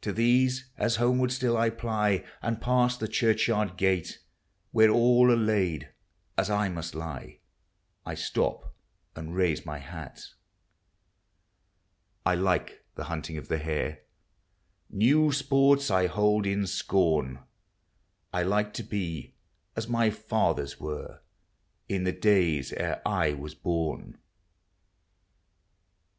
To these, as homeward still I ply And pass the churchyard gate, Where all are laid as 1 must lie, I stop and raise my hat. I like the hunting of the hare; New sports I hold in scorn. I like to be as my fathers were, In the days ere I was horn.